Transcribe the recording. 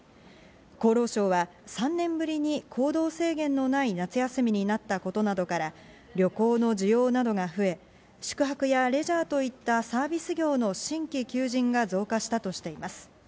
厚労省は３年ぶりに行動制限のない夏休みになったことなどから、旅行の需要などが増え、宿泊やレジャーといったサービス業の新規求人が増加したとしています。